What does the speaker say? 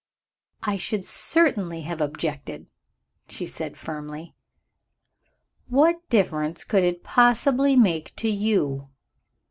"I should certainly have objected," she said firmly. "What difference could it possibly make to _you?"